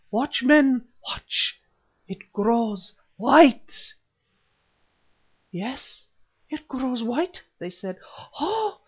Watch, men, watch! it grows white!" "Yes, it grows white," they said. "Ou!